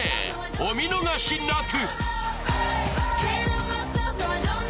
お見逃しなく！